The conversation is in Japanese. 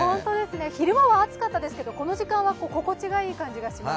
昼間は暑かったですけれども、この時間は心地がいい感じがします。